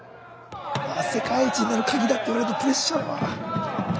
世界一になるカギだって言われるとプレッシャーだわ。